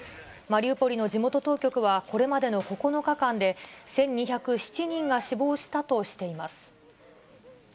マリウポリの地元当局は、これまでの９日間で１２０７人が死亡したとしています。